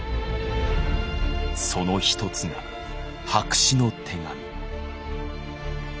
その一つが白紙の手紙。